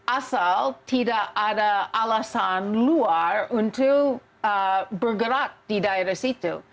asal tidak ada alasan luar untuk bergerak di daerah situ